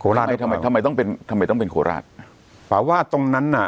ราชทำไมทำไมต้องเป็นทำไมต้องเป็นโคราชป่าว่าตรงนั้นน่ะ